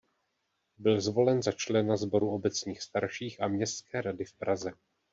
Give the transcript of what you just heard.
Byl zvolen za člena sboru obecních starších a městské rady v Praze.